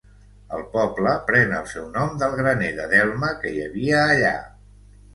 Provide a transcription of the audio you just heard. El poble pren el seu nom del graner de delme que hi havia allà.